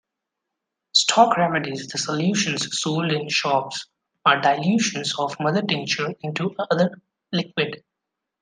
Stock remedies-the solutions sold in shops-are dilutions of mother tincture into other liquid.